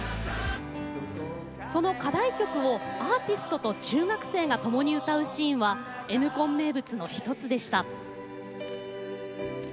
その課題曲をアーティストと中学生がともに歌うシーンはＮコン名物の１つでした。